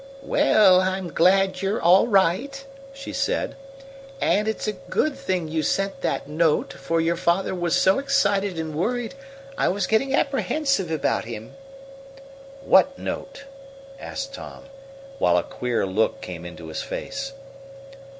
"Well, I'm glad you're all right," she said. "And it's a good thing you sent that note, for your father was so excited and worried I was getting apprehensive about him." "What note?" asked Tom, while a queer look came into his face.